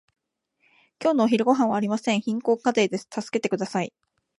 今日のお昼ごはんはありません。貧困家庭です。助けてください。